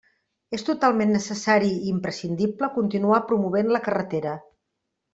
És totalment necessari i imprescindible continuar promovent la carretera.